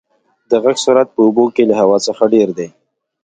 د غږ سرعت په اوبو کې له هوا څخه ډېر دی.